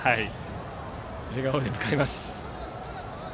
笑顔で迎えます。